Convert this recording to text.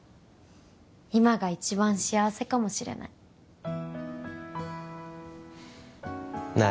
今が一番幸せかもしれないなあ